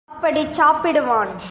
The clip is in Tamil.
குருடன்தான் அப்படிச் சாப்பிடுவான்.